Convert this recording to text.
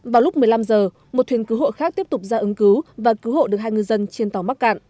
vào lúc một mươi năm h một thuyền cứu hộ khác tiếp tục ra ứng cứu và cứu hộ được hai ngư dân trên tàu mắc cạn